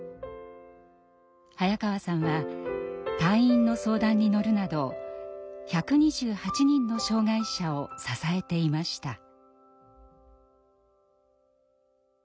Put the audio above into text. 早川さんは退院の相談に乗るなど１２８人の障害者を支えていました。